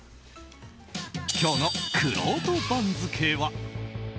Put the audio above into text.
今日のくろうと番付は。